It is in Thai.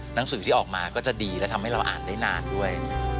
หนังสือที่ออกมาก็จะดีและทำให้เราอ่านได้นานด้วย